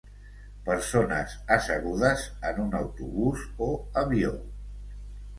Persones assegudes en un autobús o avió.